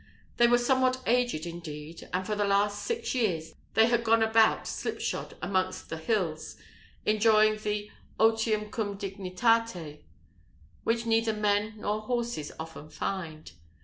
They were somewhat aged, indeed, and for the last six years they had gone about slip shod amongst the hills, enjoying the otium cum dignitate which neither men nor horses often find.